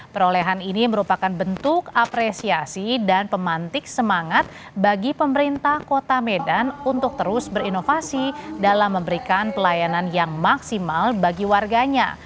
perolehan ini merupakan bentuk apresiasi dan pemantik semangat bagi pemerintah kota medan untuk terus berinovasi dalam memberikan pelayanan yang maksimal bagi warganya